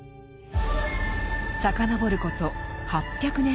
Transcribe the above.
遡ること８００年以上前。